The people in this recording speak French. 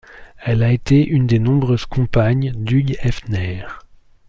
Elle a été une des nombreuses compagnes d'Hugh Hefner.